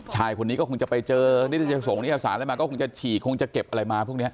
ชายคนนี้ก็คงจะไปเจอส่งนิตยสารอะไรมาก็คงจะฉี่คงจะเก็บอะไรมาพวกนี้